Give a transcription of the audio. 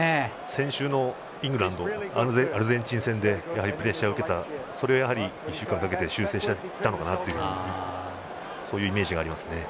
先週のイングランドとアルゼンチン戦でプレッシャーを受けたそれを１週間かけて修正してきたのかなというイメージがありますね。